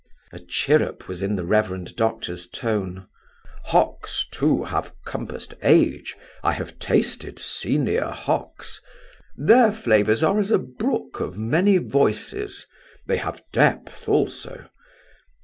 A chirrup was in the reverend doctor's tone: "Hocks, too, have compassed age. I have tasted senior Hocks. Their flavours are as a brook of many voices; they have depth also.